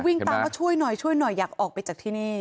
วิ่งตามว่าช่วยหน่อยอยากออกไปจากที่นี่